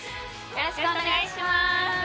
よろしくお願いします